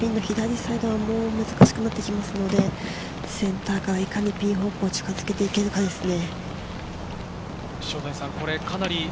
ピンの左サイドも難しくなってきますので、センターからいかにピン方向に近づけていけるかですね。